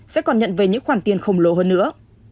sẽ còn nhận về những khoản tiền khổng lồ hơn nữa